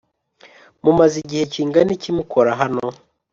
mumaze igihe kingana iki mukora hano?